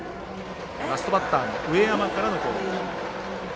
ラストバッター、上山からの攻撃。